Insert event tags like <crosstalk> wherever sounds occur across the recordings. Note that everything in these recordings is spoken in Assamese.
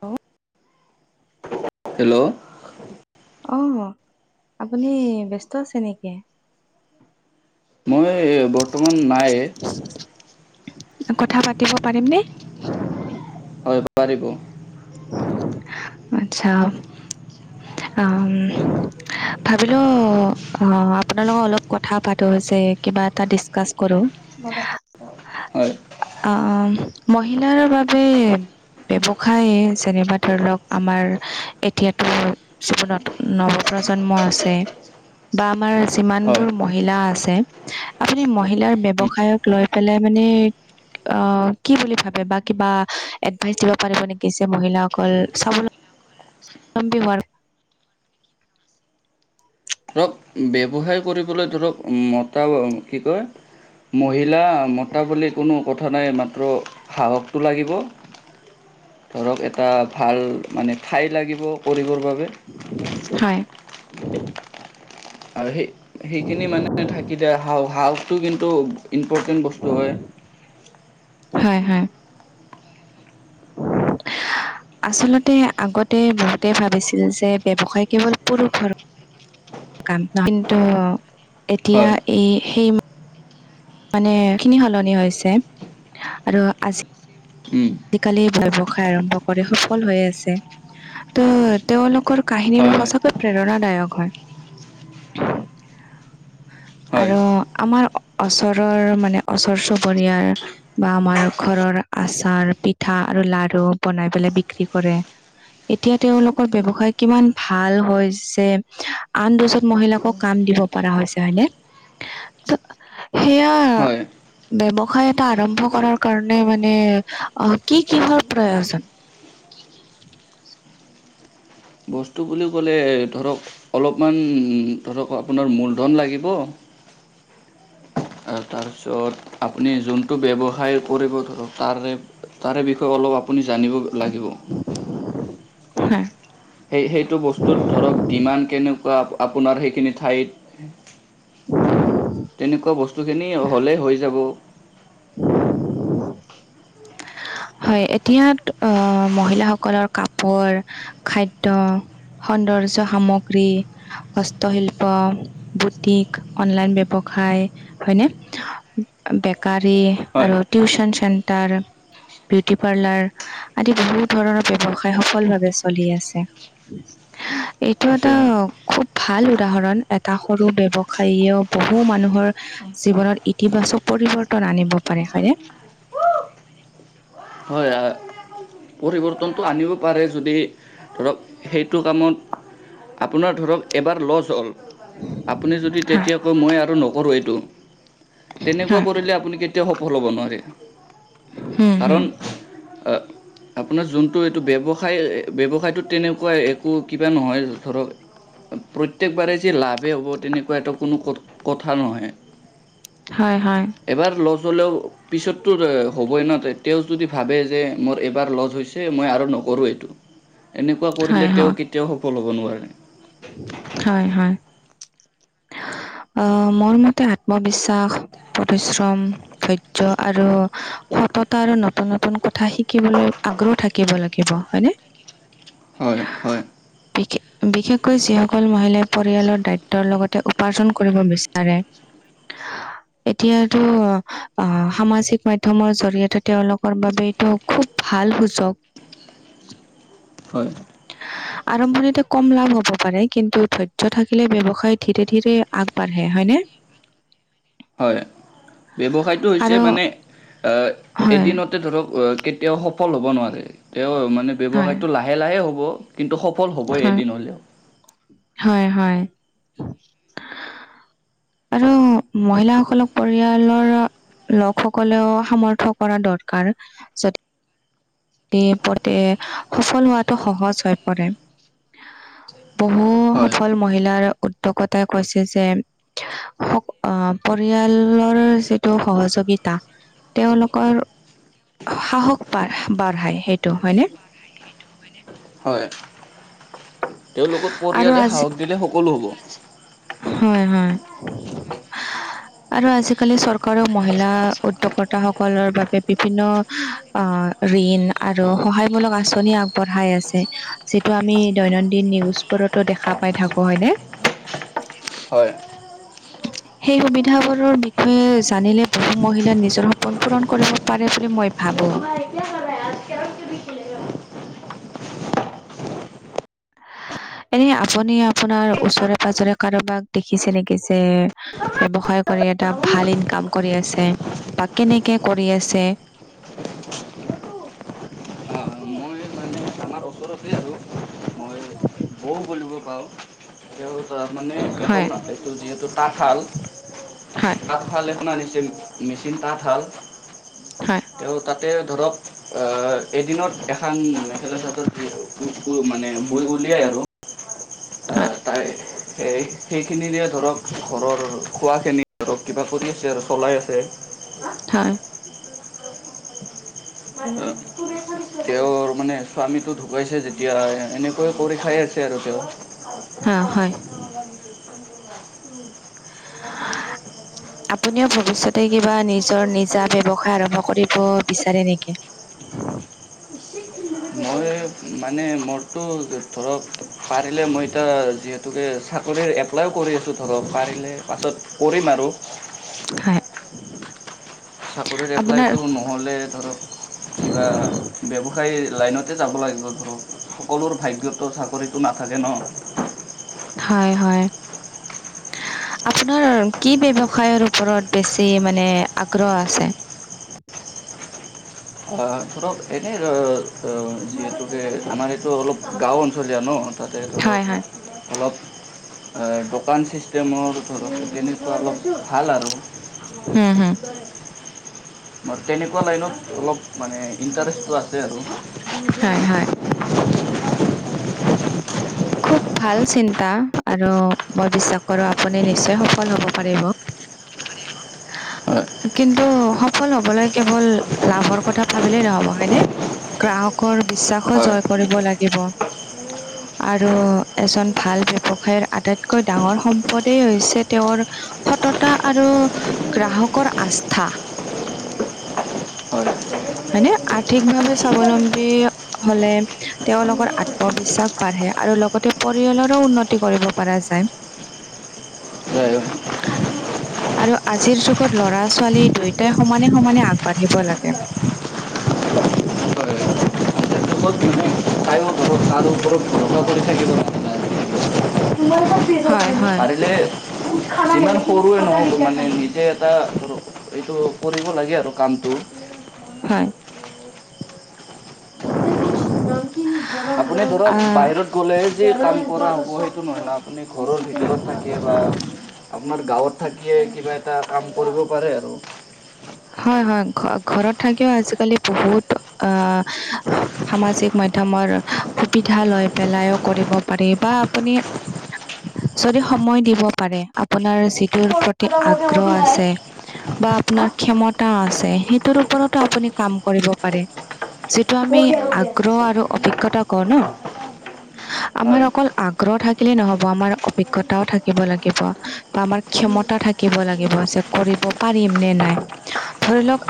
হেল্ল' হেল্ল' অ' আপুনি ব্যস্ত আছে নেকি? মই বৰ্তমান নাই। কথা পাতিব পাৰিম নে? হয় পাৰিব। আচ্ছা। অ' ভাবিলোঁ অ' আপোনাৰ লগত অলপ কথা পাতোঁ যে কিবা এটা ডিচকাছ কৰোঁ। <unintelligible> হয় অ' মহিলাৰ বাবে ব্যৱসায় যেনিবা ধৰি লওক আমাৰ এতিয়াতো <unintelligible> ন' নৱপ্ৰজন্ম আছে বা আমাৰ হয় যিমানবোৰ মহিলা আছে আপুনি মহিলাৰ ব্যৱসায়ক লৈ পেলাই মানে অ' কি বুলি ভাবে বা কিবা এডভাইচ দিব পাৰিব নেকি যে মহিলাসকল স্বাৱলম্বী স্বাৱলম্বী হোৱাৰ ধৰক ব্যৱসায় কৰিবলৈ ধৰক মতা কি কয় মহিলা মতা বুলি কোনো কথা নাই মাত্ৰ সাহসটো লাগিব ধৰক এটা ভাল মানে ঠাই লাগিব কৰিবৰ বাবে হয়। আৰু সেই সেইখিনি মানে থাকি দিয়ে, সাহস সাহসটো কিন্তু ইম্পৰ্টেণ্ট বস্তু হয়। হয়-হয়। <inaudible> আচলতে আগতে বহুতে ভাবিছিল যে ব্যৱসায় কেৱল পুৰুষৰ <unintelligible> এতিয়া হয় এই সেই মানে খিনি সলনি হৈছে, আৰু আজ উম আজিকালি ব্যৱসায় আৰম্ভ কৰি সফল হৈ আছে। ত' তেওঁলোকৰ হয় কাহিনীবোৰ হয় সঁচাকৈ প্ৰেৰণাদায়ক হয়। <unintelligible> হয় আৰু, আমাৰ ওচৰৰ মানে ওচৰ চুবুৰীয়াৰ। বা আমাৰ ঘৰৰ আচাৰ পিঠা আৰু লাৰু বনাই পেলে বিক্ৰী কৰে। এতিয়া তেওঁলোকৰ ব্যৱসায় কিমান ভাল হয় যে, আন দজন মহিলাকক কাম দিব পৰা হৈ যায়নে, সেয়া হয় ব্যৱসায় এটা আৰম্ভ কৰাৰ কাৰণে মানে, অ, কি কিহৰ প্ৰয়োজন? বস্তুবোৰ বুলি ক'লে ধৰক অলপমান, ধৰক আপোনাৰ মূলধন লাগিব। আহ তাৰপিছত আপুনি যোনটো ব্যৱসায় কৰিব ধৰক তাৰে তাৰে বিষয়ে অলপ আপুনি জানিব লাগিব। হয়, সেই সেইটো বস্তুৰ ধৰক ডিমাণ্ড কেনেকুৱা আপোনাৰ সেইখিনি ঠাইত। <unintelligible> <unintelligible> তেনেকুৱা বস্তুখিনি হ'লে হৈ যাব। <unintelligible> হয়, এতিয়া আহ মহিলাসকলৰ কাপোৰ খাদ্য। সৌন্দৰ্য সামগ্ৰী। হস্তশিল্প, বুটিক, অনলাইন ব্যৱসায়। হয়নে, বেকাৰী হয় আৰু টিউচন চেন্টাৰ। বিউটি পাৰ্লাৰ, আদি বহুত ধৰণৰ ব্যৱসায় সফল ভাৱে চলি আছে। এইটো আছে এটা হয় খুব ভাল উদাহৰণ এটা সৰু ব্যৱসায়ীও বহু মানুহৰ, জীৱনত ইতিবাচক পৰিৱৰ্তন আনিব পাৰে হয়নে? হয়, ৰ্তনটো আনিব পাৰে যদি, ধৰক সেইটো কামত আপোনাৰ ধৰক এবাৰ লজ হ'ল। আপুনি যদি হয় তেতিয়া কৈ মই আৰু নকৰোঁ এইটো, তেনেকুৱা হয় কৰিলে আপুনি কেত কেতিয়াও সফল হ'ব নোৱাৰে, হম হম কাৰণ আহ আপোনাৰ যোনটো এইটো ব্যৱসায় ব্যৱসায়টোত তেনেকুৱা একো কিবা নহয় ধৰক। প্ৰত্যেকবাৰে যে লাভেই হ'ব তেনেকুৱাটো কু কোনো কথা নহয়। হয়, হয়, এবাৰ লজ হ'লেও, পিছততো হ'বই না তেতিয়াও যদি ভাবে যে মোৰ এবাৰ লজ হৈছে। চে মই আৰু নকৰোঁ এইটো, এনেকুৱা হয় কৰিলে তেওঁ হয় কেতিয়াও সফল হ'ব নোৱাৰে। হয়, হয়, আহ মোৰ মতে আত্মবিশ্বাস পৰিশ্ৰম। ধৈৰ্য আৰু, সততা আৰু নতুন নতুন কথা শিকিবলৈ আগ্ৰহ থা কিব লাগিব হয়নে, হয় হয় বিশষ বিশেষ কৈ যিসকল মহিলাই পৰিয়ালৰ দায়িত্বৰ লগতে উপাৰ্জন কৰিব বিচাৰে। এতিয়া এইটো আহ, সামাজিক মাধ্যমৰ জৰিয়তে তেওঁলোকৰ বাবেটো খুব ভাল সুযোগ। হয়, আৰম্ভণিতো কম লাভ হ'ব। পৰে কিন্তু ধৈৰ্য থাকিলে ব্যৱসায় ধীৰে ধীৰে আগবাঢ়ে হয়নে? হয়, ব্যৱসায়টো হৈছে আৰু মানে অ হয় এদিনতে ধৰক কেতিয়াও সফল হ'ব নোৱাৰে। তেওঁ মানে হয় ব্যৱসায়টো লাহে লাহে হ'ব কিন্তু সফল হ'বই হয় এদিন হ'লেও। হয় হয়। আৰু মহিলাসকলক পৰিয়ালৰ লকসকলেও সামৰ্থ কৰা দৰকাৰ যত <unintelligible> সফল হোৱাটো সহজ হৈ পৰে। বহু হয় সফল মহিলাৰ উদ্যোগতায়ে কৈছে যে হোক, আহ পৰিয়ালৰ যিটো সহযোগিতা। তেওঁলোকৰ সাহস বাঢ় বাঢ়ায় সেইটো হয়নে। হয় তেওঁলোকৰ আৰু পৰিয়ালে আজি সাহস দিলে সকলো হব হয় হয় <unintelligible> আৰু আজিকালি চৰকাৰেও মহিলা উদ্যোক্তা সকলৰ বাবে বিভিন্ন অ ঋণ আৰু সহায়মূলক আঁচনি আগবঢ়াই আছে যিটো আমি দৈনন্দিন নিউজ বোৰতো দেখা পাই থাকো হয়নে হয় সেই সুবিধাবোৰৰ বিষয়ে জানিলে বহু মহিলা নিজৰ সপোন পূৰণ কৰিব পাৰে বুলি মই ভাবো এনেই আপুনি আপোনাৰ ওচৰে পাজৰে কাৰোবাক দেখিছে নেকি যে ব্যৱসায় কৰি এটা ভাল ইনকাম কৰি আছে বা কেনেকে কৰি আছে আ মই মানে আমাৰ ওচৰতে আৰু মই বৌ বুলিব পাও মানে এখন হয় এইটো যিহেতু তাঁতশাল হয় ভাল এখন আনিছিল মেচিন তাঁতশাল হয় তেওঁ তাত তে ধৰক অ এদিনতে এখন মেখেলা চাদৰ বয় মানে বই উলিয়াই আৰু আ হয় তাই সেই সেইখিনিৰে ধৰক ঘৰৰ খোৱাখিনি ধৰক কিবা কৰি আছে আৰু চলাই আছে হয় অ তেওঁৰ মানে স্বামীতো ঢুকাইছে যেতিয়া এনেকৈ কৰি খাই আছে আৰু তেওঁ অ হয় <unintelligible> হা আপুনিও ভৱিষ্যতে কিবা নিজৰ নিজা তেওঁ ব্যৱসায় আৰম্ভ কৰিব বিচাৰে নেকি মই মানে মোৰতো ধৰক পাৰিলে মই এতিয়া যিহেতুকে চাকৰিৰ এপ প্লাইও কৰি আছো ধৰক পাৰিলে পাছত কৰিম আৰু হয় চাকৰিৰ আপোনাৰ এপ্লাইটো নহ'লে ধৰক কিবা ব্যৱসায় লাইনতে যাব লাগিব ধৰক সকলোৰ ভাগ্যততো চাকৰি টো নাথাকে ন হয় হয় আপোনাৰ কি ব্যৱসায়ৰ ওপৰত বেছি মানে আগ্ৰহ আছে অ ধৰক এনেই অ যিহেতুকে আমাৰ এইটো অলপ গাঁও অঞ্চলীয়া ন তাতে ধৰক হয় হয় অলপ দোকান চিষ্টেমৰ ধৰক তেনেকোৱা অলপ ভাল আৰু হু হু মোৰ তেনেকোৱা লাইনত অলপ মানে ইণ্টাৰেষ্টটো আছে হয় হয় আৰু খুব ভাল চিন্তা আৰু মই বিশ্বাস কৰো আপুনি নিশ্চয় সফল হ'ব পাৰিব আ হয়, হয়। কিন্তু সফল হবলৈ কেৱল লাভৰ কথা ভাবিলেই নহ'ব হয়নে গ্ৰাহকৰ বিশ্বাসো হয়। জয় কৰিব লাগিব। আৰু এজন ভাল ব্যৱসায়ৰ আটাইতকৈ ডাঙৰ সম্পদেই হৈছে, তেওঁৰ সততা আৰু গ্ৰাহকৰ আস্থা হয়, হয়। হয়, <unintelligible> তেখেতলোকক মানে হয়নে আৰ্থিকভাৱে স্বাৱলম্বী হলে তেওঁলোকৰ আত্মবিশ্বাস বাঢ়ে আৰু লগতে পৰিয়ালৰো উন্নতি কৰিব পৰা যায় হে আহিবা আৰু আজিৰ যুগত ল'ৰা ছোৱালী দুয়োটাই সমানে সমানে আগবাঢ়িব লাগে <unintelligible> কাৰো ওপৰত ভৰসা কৰি থাকিব মন নাই হয় হয় লে যিমান সৰুৱে নহওঁক মানে নিজে এটা এইটো কৰিব লাগে আৰু কামটো হয়। নিজে কুছ <unintelligible> আপুনি ধৰক আহ বাহিৰত গ'লেহে যে কাম কৰা হ'ব সেইটো নহয় না- আপুনি ঘৰৰ ভিতৰত থাকে বা আপোনাৰ গাঁৱত থাকিয়ে কিবা এটা কাম কৰিব পাৰে আৰু। হয় হয় ঘ ঘৰত থাকিও আজিকালি বহুত আহ সামাজিক মাধ্যয়মৰ সুবিধা লৈ পেলাইও কৰিব পাৰি বা আপুনি যদি সময় দিব পাৰে আপোনাৰ যিটোৰ প্ৰতি আগ্ৰহ আছে বা আপোনাৰ ক্ষমতা আছে সেইটোৰ ওপৰতো আপুনি কাম কৰিব পাৰে। যিটো আমি আগ্ৰহ আৰু অভিজ্ঞতা কওঁ ন, আমাৰ হয় অকল আগ্ৰহ থাকিলেই নহব আমাৰ অভিজ্ঞতাও থাকিব লাগিব, বা আমাৰ ক্ষমতা থাকিব লাগিব যে কৰিব পাৰিম নে নাই। ধৰি লওঁক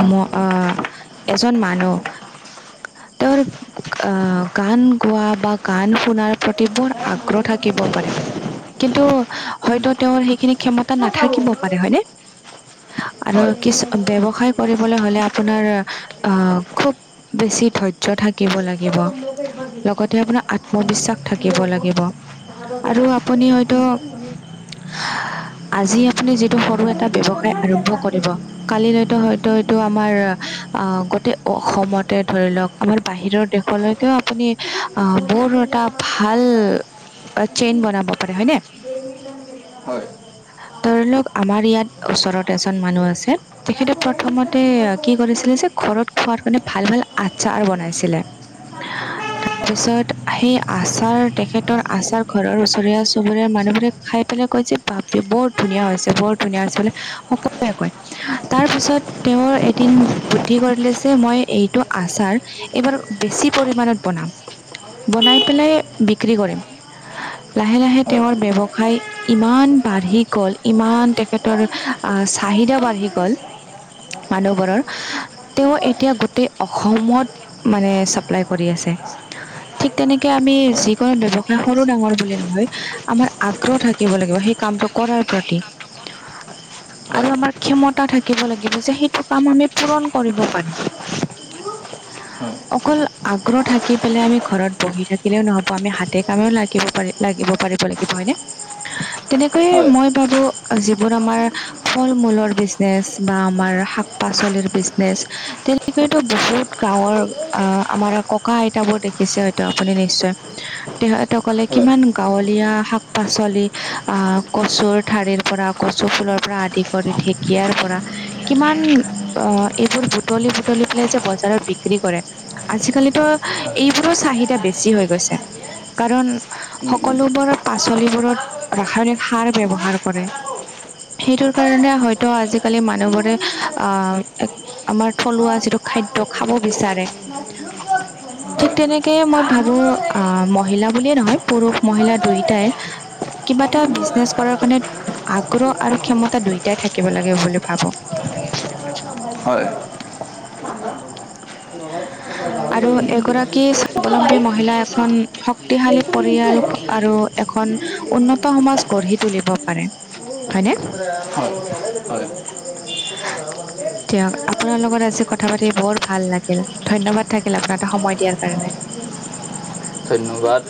আপ- এজন মানুহ তেওঁলোক আহ গান গোৱা বা গান শুনাৰ প্ৰতি বৰ আগ্ৰহ থাকিব পাৰে। কিন্তু উম, হয়তো তেওঁৰ সেইখিনি ক্ষমতা নাথাকিব পাৰে হয়নে? আৰু হয় কিছ ব্যৱসায় কৰিবলৈ হলে আপোনাৰ আহ খুব বেছি ধৈৰ্য থাকিব লাগিব। <inaudible> লগতে আপোনাৰ হয়, আত্মবিশ্বাস থাকিব লাগিব আৰু আপুনি হয়তো উম। আজি আপুনি যিটো সৰু এটা ব্যৱসায় আৰম্ভ কৰিব হয় হয় হয় হয় হয় হয় হয় হয় কালিলৈতো হয়তো এইটো আমাৰ আহ গোটেই অসমতে ধৰি লওক আমাৰ বাহিৰৰ দেশলৈকেও আপুনি আহ বৰ এটা ভাল চেইন বনাব পাৰে হয়নে? ধৰি লওক আমাৰ ইয়াত ওচৰত এজন মানুহ আছে্ তেখেতে প্ৰথমতে কি কৰিছিলে যে ঘৰত খোৱাৰ কাৰণে ভাল ভাল আচাৰ বনাইছিলে, <inaudible> পিছত সেই আচাৰ তেখেতৰ আচাৰ ঘৰৰ ওচৰীয়া চুবুৰীয়াৰ মানুহবোৰক খাই পেলাই কয় যে বাপৰে বৰ ধুনীয়া হৈছে বৰ ধুনীয়া হৈছে বোলে সকলোৱে কয়। তাৰ পিছত তেওঁ এদিন বুদ্ধি কৰিলে যে মই এইটো আচাৰ এইবাৰ বেছি পৰিমানত বনাম, বনাই পেলাই বিক্ৰী কৰিম। লাহে লাহে তেওঁৰ ব্যৱসায় ইমান বাঢ়ি গল ইমান তেখেতৰ আচ- <unintelligible> মানুহবোৰৰ তেওঁ এতিয়া গোটেই অসমত মানে চাপ্লাই কৰি আছে। ঠিক তেনেকে আমি যিকোনো ব্যৱসায় সৰু ডাঙৰ বুলি নলয় আমাৰ আগ আগ্ৰহ থাকিব লাগিব সেই কামটো কৰাৰ প্ৰতি। আৰু আমাৰ ক্ষমতা থাকিব লাগিব যে সেইটো কাম আমি পূৰণ কৰিব পাৰিম। <unintelligible> অকল আগ্ৰহ থাকি পেলাই আমি ঘৰত বহি থাকিলেও নহব আমি হাতে কামেও লাগিব পাৰ- লাগিব পাৰিব লাগিব হয়নে তেনেকৈয়ে মই ভাবো যিবোৰ আমাৰ ফল-মূলৰ বিজনেচ বা আমাৰ শাক-পাচলিৰ বিজনেচ তেনে তেনেকেটো বহুত গাঁওৰ অ' আমাৰ ককা- আইতাবোৰ দেখিছে হয়তো আপুনি নিশ্চয় তেখেত সকলে কিমান গাঁৱলীয়া শাক-পাচলি অ' কচুৰ ঠাৰিৰ পৰা কচু ফুলৰ পৰা আদি কৰি ঢেকীয়াৰ পৰা কিমান অ' এইবোৰ বুটলি-বুটলি পেলাই যে বজাৰত বিক্ৰী কৰে। আজিকালিতো এইবোৰো চাহিদা বেছি হৈ গৈছে। কাৰণ সকলোবোৰত পাচলিবোৰত ৰাসায়নিক সাৰ ব্যৱহাৰ কৰে, সেইটো কাৰণে হয়তো আজিকালি মানুহবোৰে অ' আমাৰ থলুৱা যিটো খাদ্য খাব বিচাৰে ঠিক তেনেকে মই ভাবো অ' মহিলা বুলিয়ে নহয় পুৰুষ মহিলা দুয়োটাই কিবা এটা উম, উম, বিজনেছ কৰাৰ কাৰণে আগ্ৰহ আৰু ক্ষমতা ক্ষমতা দুয়োটাই থাকিব লাগে বুলি ভাবোঁ। <unintelligible> হয়। আৰু এগৰাকী স্বাৱলম্বী মহিলা এখন শক্তিশালী পৰিয়াল আৰু এখন উন্নত সমাজ গঢ়ি তুলিব পাৰে, হয়নে? দিয়ক আপোনাৰ লগত আজি কথা পাতি বৰ ভাল লাগি লাগিল। ধন্যবাদ থাকিল আপোনালৈ সময় দিয়াৰ কাৰণে। ধন্যবাদ।